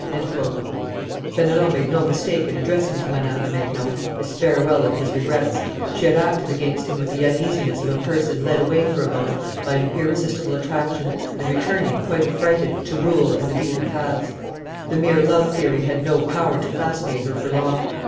Fenelon made no mistake in addressing to Madame de Maintenon his farewell and his regrets; she had acted against him with the uneasiness of a person led away for a moment by an irresistible attraction, and returning, quite affrighted, to rule and the beaten paths. The mere love theory had no power to fascinate her for long.